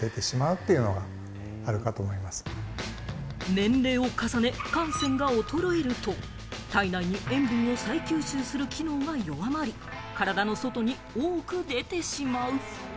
年齢を重ね、汗腺が衰えると体内に塩分を再吸収する機能が弱まり、体の外に多く出てしまう。